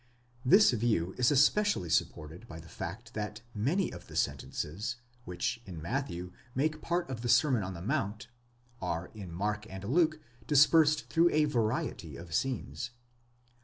* This view is especially supported by the fact that many of the sentences, which in Matthew make part of the Sermon on the Mount, are in Mark and Luke dispersed through a variety of scenes.